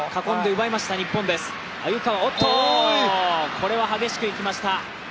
これは激しくいきました。